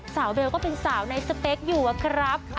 เบลก็เป็นสาวในสเปคอยู่อะครับ